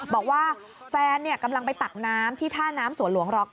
บอกว่าแฟนกำลังไปตักน้ำที่ท่าน้ำสวนหลวงร๙